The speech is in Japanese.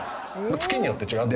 月によって違うので。